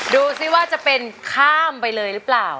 ดูสิว่าจะเป็นข้ามไปเลยหรือเปล่า